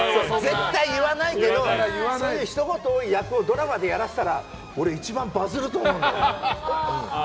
絶対言わないけどそういうひと言のドラマでやらせたら俺、一番バズると思うんだよね。